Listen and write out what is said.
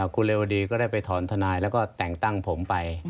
คุณเรวดีก็ได้ไปถอนทนายแล้วก็แต่งตั้งผมไป